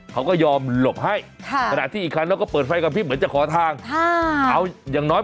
มันบางทีไม่เหมือนกัน